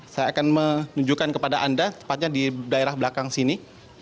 saya akan menunjukkan kepada anda tepatnya di daerah belakang sini